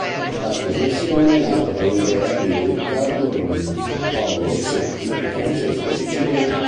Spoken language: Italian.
La trasmissione è nata da un'idea di Riccardo Brun, Paolo Rossetti e Francesco Siciliano.